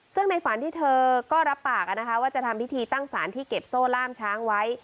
ซึ่งในฝันที่เธอก็รับปากนะคะว่าจะทำพิธีตั้งสารที่เก็บโซ่ล่ามช้างไว้